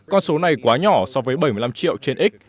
con số này quá nhỏ so với bảy mươi năm triệu